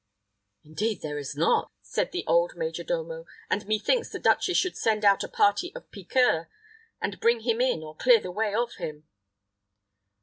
"Indeed, there is not," said the old major domo; "and methinks the duchess should send out a party of piqueurs to bring him in, or clear the way of him."